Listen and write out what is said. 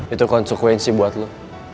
itu konsekuensi buat lo